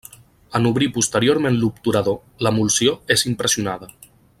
En obrir posteriorment l'obturador, l'emulsió és impressionada.